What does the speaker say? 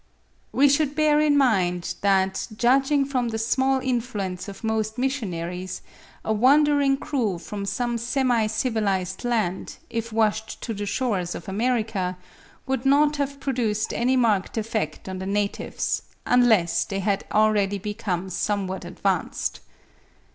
We should bear in mind that, judging from the small influence of most missionaries, a wandering crew from some semi civilised land, if washed to the shores of America, would not have produced any marked effect on the natives, unless they had already become somewhat advanced.